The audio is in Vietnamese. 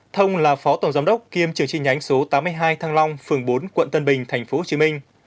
thông là phó tổng giám đốc kiêm trưởng chi nhánh số tám mươi hai thăng long phường bốn quận tân bình tp hcm